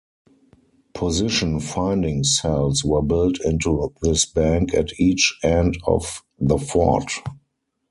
Position finding cells were built into this bank at each end of the fort.